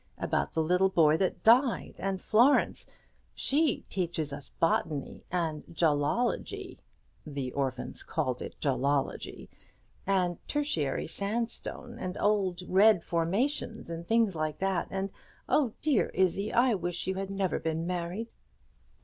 about the little boy that died, and Florence she teaches us botany and jology" (the orphans called it 'jology'), "and tertiary sandstone, and old red formations, and things like that; and oh, dear Izzie, I wish you never had been married."